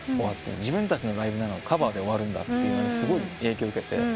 自分たちのライブなのにカバーで終わるんだってことにすごい影響を受けて。